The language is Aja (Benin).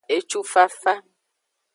Ecufafa.